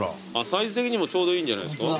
サイズ的にもちょうどいいんじゃないすか？